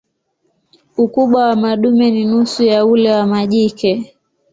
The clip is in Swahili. Ukubwa wa madume ni nusu ya ule wa majike.